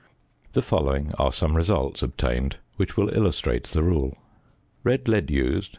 The following are some results obtained which will illustrate the rule: Red Lead used.